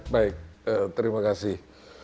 baik terima kasih